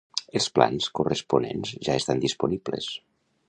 Els plans corresponents ja estan disponibles.